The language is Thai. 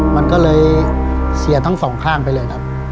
มันก็เลยเสียทั้งสองข้างไปเลยครับ